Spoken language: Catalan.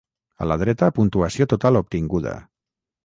A la dreta, puntuació total obtinguda.